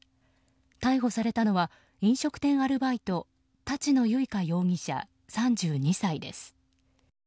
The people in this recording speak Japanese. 逮捕されたのは飲食店アルバイト立野由香容疑者、３２歳です。